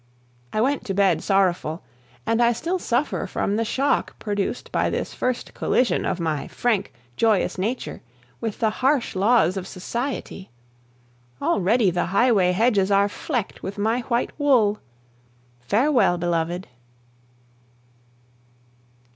I went to bed sorrowful, and I still suffer from the shock produced by this first collision of my frank, joyous nature with the harsh laws of society. Already the highway hedges are flecked with my white wool! Farewell, beloved.